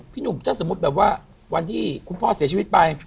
หนุ่มถ้าสมมุติแบบว่าวันที่คุณพ่อเสียชีวิตไป